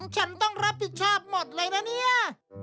ฉันต้องรับผิดชอบหมดเลยนะเนี่ย